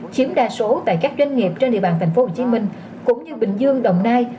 chiếm đa số tại các doanh nghiệp trên địa bàn thành phố hồ chí minh cũng như bình dương đồng nai